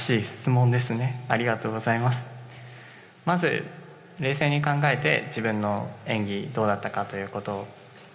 まず、冷静に考えて自分の演技どうだったかということ。